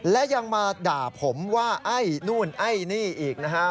และยังมาด่าผมว่าไอ้นู่นไอ้นี่อีกนะฮะ